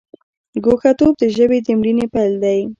ګوښه توب د ژبې د مړینې پیل دی.